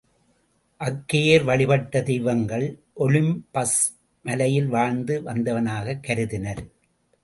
அக்கேயர் வழிபட்ட தெய்வங்கள் ஒலிம்பஸ் மலையில் வாழ்ந்து வந்தனவாகக் கருதினர்.